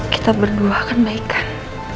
kita berdua akan baikkan